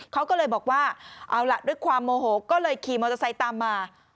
เขาก็เลยบอกว่าเอาล่ะด้วยความโมโหก็เลยขี่มอเตอร์ไซค์ตามมา